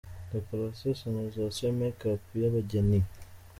Decoration, Sonorisation, Make up y’abageni ,.